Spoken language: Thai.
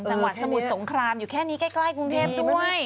สมุทรสงครามอยู่แค่นี้ใกล้กรุงเทพด้วย